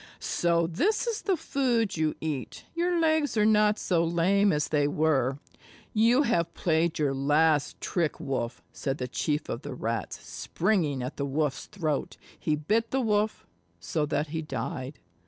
"So this is the food you eat. Your legs are not so lame as they were. You have played your last trick, Wolf," said the Chief of the Rats, springing at the Wolf's throat. He bit the Wolf, so that he died.